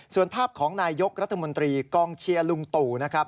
ส่วนภาพของนายยกรัฐมนตรีกองเชียร์ลุงตู่นะครับ